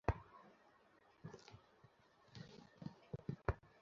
পাকিস্তান সরকারও কারণ দেখাতে পারে, ভারতে তাদের খেলোয়াড়দের নিরাপত্তা নিয়ে ঝুঁকি আছে।